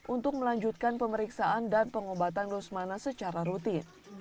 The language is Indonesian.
untuk melanjutkan pemeriksaan dan pengobatan rusmana secara rutin